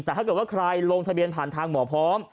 แต่ถ้าเกิดว่าใครลงทะเบียนผ่านทางหมอพร้อม